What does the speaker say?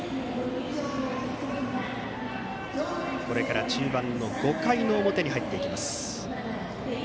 これから中盤の５回の表に入っていきます。